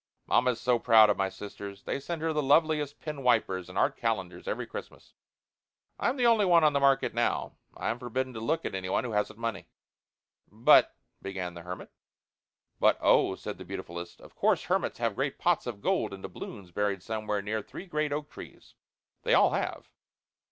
Mamma is so proud of my sisters. They send her the loveliest pen wipers and art calendars every Christmas. I'm the only one on the market now. I'm forbidden to look at any one who hasn't money." "But " began the hermit. "But, oh," said the beautifulest, "of course hermits have great pots of gold and doubloons buried somewhere near three great oak trees. They all have."